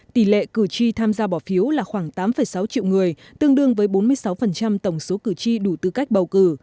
tỷ lệ cử tri tham gia bỏ phiếu là khoảng tám sáu triệu người tương đương với bốn mươi sáu tổng số cử tri đủ tư cách bầu cử